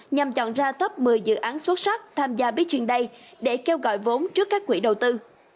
nhằm chọn ra top một mươi dự án xuất sắc tham gia pitchen day để kêu gọi vốn trước các quỹ đầu tư